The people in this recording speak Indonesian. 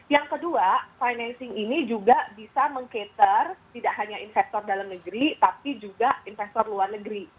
yang kedua financing ini juga bisa meng cater tidak hanya investor dalam negeri tapi juga investor luar negeri